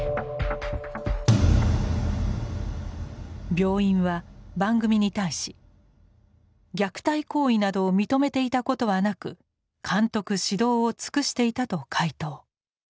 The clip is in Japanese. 病院は番組に対し「虐待行為などを認めていたことはなく監督指導を尽くしていた」と回答。